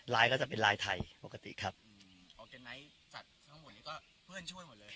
ลายก็จะเป็นลายไทยปกติครับจัดทั้งหมดนี้ก็เพื่อนช่วยหมดเลย